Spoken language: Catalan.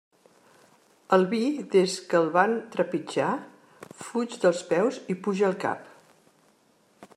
El vi, des que el van trepitjar fuig dels peus i puja al cap.